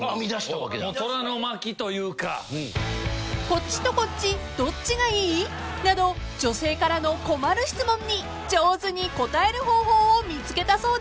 ［「こっちとこっちどっちがいい？」など女性からの困る質問に上手に答える方法を見つけたそうです］